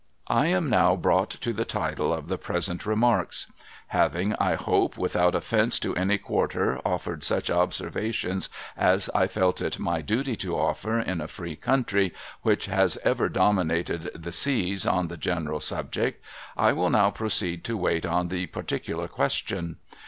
I am now brought to the tide of the present remarks. Having, I hope without offence to any quarter, offered such observations as I felt it my duty to offer, in a free country which has ever dominated the seas, on the general subject, I will now proceed to wait on the particular question.